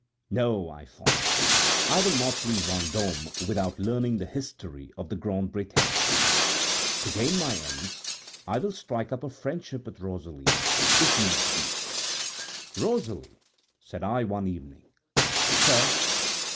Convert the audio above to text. No, I thought, I will not leave Vendôme without learning the history of the Grande Bretêche. To gain my ends I will strike up a friendship with Rosalie, if needs be. "Rosalie," said I, one evening. "Sir?"